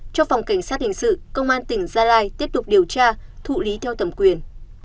cho phòng cảnh sát hình sự công an tỉnh gia lai tiếp tục điều tra thụ lý theo thẩm quyền